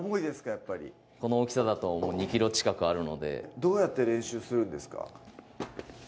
やっぱりこの大きさだと２ｋｇ近くあるのでどうやって練習するんですか？